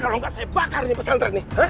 kalau enggak saya bakar pesantren ini